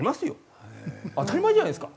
当たり前じゃないですか。